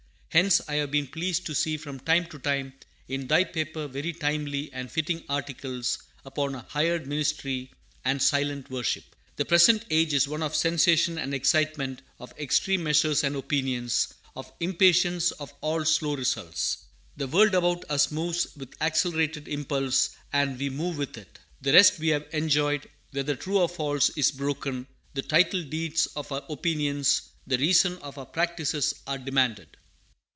Hence I have been pleased to see from time to time in thy paper very timely and fitting articles upon a Hired Ministry and Silent Worship. The present age is one of sensation and excitement, of extreme measures and opinions, of impatience of all slow results. The world about us moves with accelerated impulse, and we move with it: the rest we have enjoyed, whether true or false, is broken; the title deeds of our opinions, the reason of our practices, are demanded.